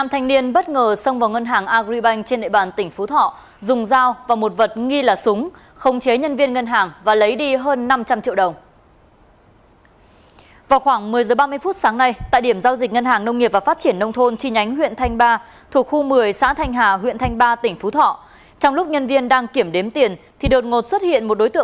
hãy đăng ký kênh để ủng hộ kênh của chúng mình nhé